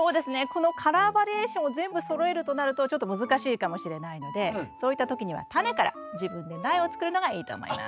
このカラーバリエーションを全部そろえるとなるとちょっと難しいかもしれないのでそういった時にはタネから自分で苗を作るのがいいと思います。